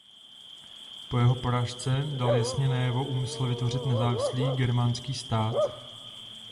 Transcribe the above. Po jeho porážce dal jasně najevo úmysl vytvořit nezávislý germánský stát.